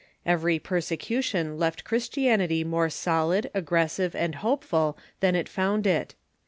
Every persecution left Christianity more solid, aggressive, and hopeful than it found it.